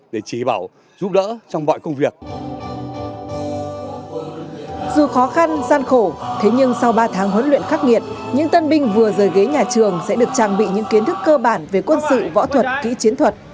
dù khó khăn gian khổ thế nhưng sau ba tháng huấn luyện khắc nghiệt những tân binh vừa rời ghế nhà trường sẽ được trang bị những kiến thức cơ bản về quân sự võ thuật kỹ chiến thuật